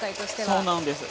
そうなんです。